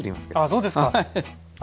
あそうですか。あ